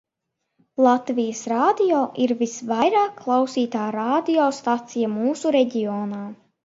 Latvijas Radio ir visvairāk klausītā radio stacija mūsu reģionā.